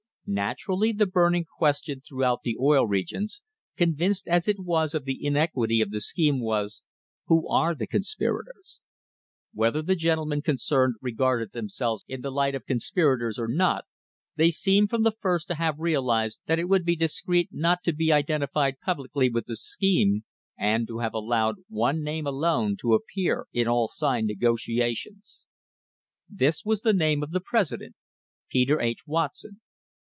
Naturally the burning question throughout the Oil Regions, convinced as it was of the iniquity of the scheme, was, Who are the conspirators? Whether the gentlemen concerned regarded themselves in the light of "conspirators" or not, they seem from the first to have realised that it would be discreet not to be identified publicly with the scheme, and to have allowed one name alone to appear in all signed nego tiations. This was the name of the president, Peter H. Wat son.